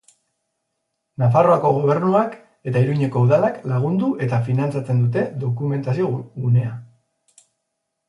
Nafarroako Gobernuak eta Iruñeko Udalak lagundu eta finantzatzen dute Dokumentazio Gunea.